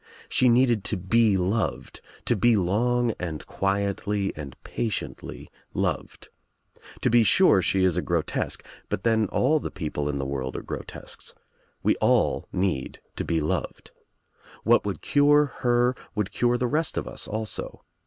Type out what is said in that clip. She needed to be loved, to be long and quietly and patiently loved. To be sure she is ^ grotesque, but then all the people in the world are grotesques. We all need to be loved. What would Cure her would cure the rest of us also.